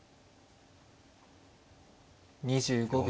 ２５秒。